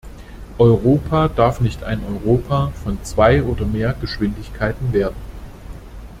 Europa darf nicht ein Europa von zwei oder mehr Geschwindigkeiten werden.